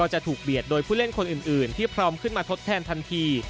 จะถูกเบียดโดยผู้เล่นคนอื่นที่พร้อมขึ้นมาทดแทนทันที